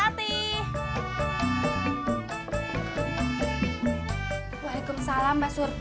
saat ini saya mikirin kartu berikutnya desapare biar mematuhi keredanan